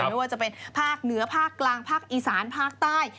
ไม่ว่าจะเป็นภาคเหนือภาคกลางภาคอีสานภาคใต้